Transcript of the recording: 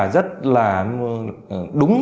rất là đúng